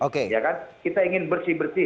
kita ingin bersih bersih